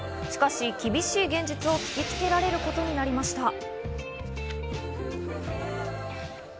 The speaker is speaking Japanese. しかし厳しい現実を突きつけられることになりました。